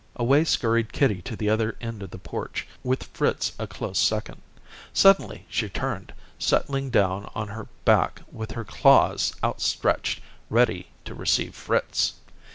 Away scurried kitty to the other end of the porch with Fritz a close second. Suddenly, she turned, settling down on her back with her claws out stretched, ready to receive Fritz.